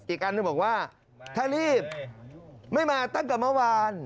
อีกอันหนึ่งบอกว่าถ้ารีบไม่มาตั้งแต่เมื่อวาน